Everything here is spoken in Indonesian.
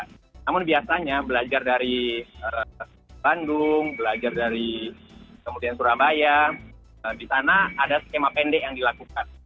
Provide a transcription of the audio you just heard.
namun biasanya belajar dari bandung belajar dari kemudian surabaya di sana ada skema pendek yang dilakukan